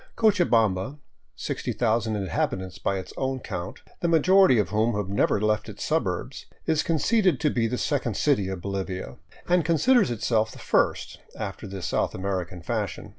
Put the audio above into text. Cochabamba, 60,000 inhabitants by its own count, the majority of whom have never left its suburbs, is conceded to be the second city of Bolivia, and considers itself the first, after the South American fashion.